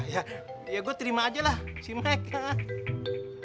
ya ya gue terima aja lah si mike hah